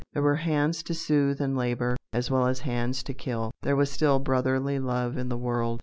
There were hands to soothe and labour, as well as hands to kill. There was still brotherly love in the world.